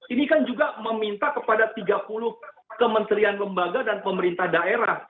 ini kan juga meminta kepada tiga puluh kementerian lembaga dan pemerintah daerah